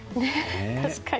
確かに。